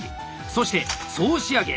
そして総仕上げ！